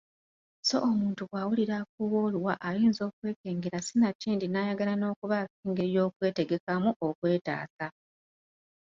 Sso omuntu bw’awulira afuuwa oluwa ayinza okwekengera sinakindi n’ayagala n’okubaako engeri y’okwetegekamu okwetaasa.